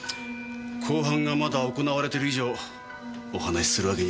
公判がまだ行われている以上お話しするわけには。